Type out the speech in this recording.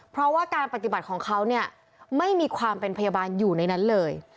เพราะว่าการปฏิบัติของเขาเนี่ยไม่มีความเป็นพยาบาลอยู่ในนั้นเลย